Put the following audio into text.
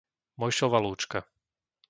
Mojšova Lúčka